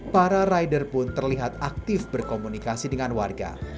para rider pun terlihat aktif berkomunikasi dengan warga